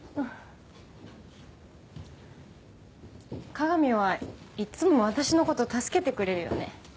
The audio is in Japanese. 加賀美はいっつも私の事助けてくれるよね。